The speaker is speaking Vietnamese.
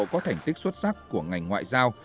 có thành tích xuất sắc của ngành ngoại giao